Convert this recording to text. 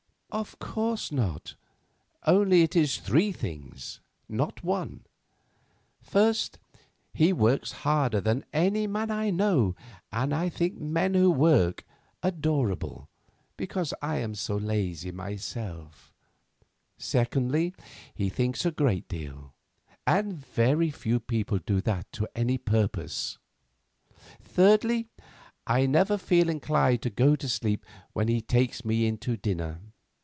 "Of course not; only it is three things, not one. First, he works harder than any man I know, and I think men who work adorable, because I am so lazy myself. Secondly, he thinks a great deal, and very few people do that to any purpose. Thirdly, I never feel inclined to go to sleep when he takes me in to dinner.